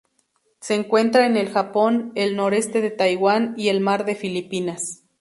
Se encuentra en el Japón, el noreste de Taiwán y el Mar de Filipinas.